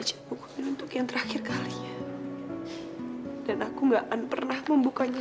sampai jumpa di video selanjutnya